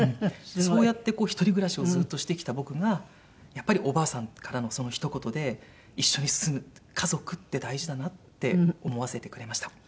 そうやってこう一人暮らしをずっとしてきた僕がやっぱりおばあさんからのその一言で一緒に住む家族って大事だなって思わせてくれました。